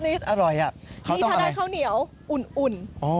นี่ถ้าได้ข้าวเหนียวอุ่น